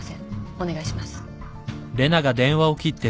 お願いします。